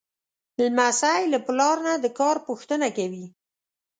لمسی له پلار نه د کار پوښتنه کوي.